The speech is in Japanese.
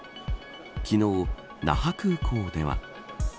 昨日、那覇空港では。